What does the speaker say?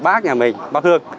bác nhà mình bác hương